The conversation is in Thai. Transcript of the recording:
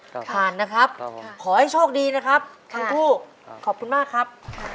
ครับผ่านนะครับขอให้โชคดีนะครับครับทั้งคู่ครับขอบคุณมากครับ